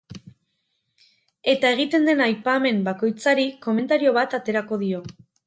Eta egiten den aipamen bakoitzari komentario bat aterako dio.